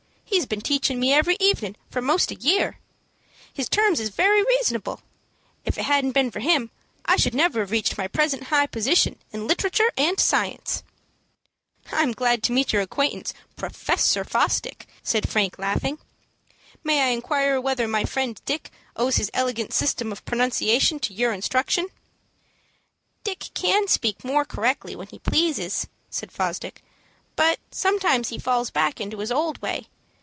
He's been teachin' me every evenin' for most a year. His terms is very reasonable. If it hadn't been for him, I never should have reached my present high position in literature and science." "I am glad to make your acquaintance, Professor Fosdick," said Frank, laughing. "May I inquire whether my friend Dick owes his elegant system of pronunciation to your instructions?" "Dick can speak more correctly when he pleases," said Fosdick; "but sometimes he falls back into his old way.